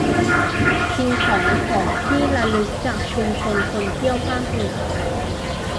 ชิงของของที่ระลึกจากชุมชนคนเที่ยวภาคเหนือ